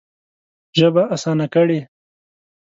ژبه اسانه کړې.